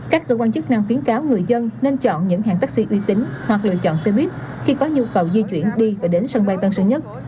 các cơ quan chức năng khuyến cáo người dân nên chọn những hãng taxi uy tín hoặc lựa chọn xe buýt khi có nhu cầu di chuyển đi và đến sân bay tân sơn nhất